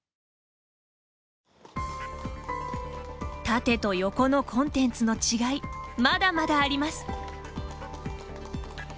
縦と横のコンテンツの違いまだまだあります。